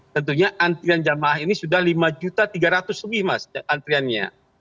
tentunya antrian jamaah ini sudah lima tiga ratus lebih mas antriannya